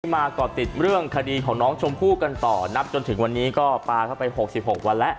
มาก่อติดเรื่องคดีของน้องชมพู่กันต่อนับจนถึงวันนี้ก็ปลาเข้าไป๖๖วันแล้ว